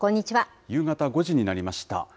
夕方５時になりました。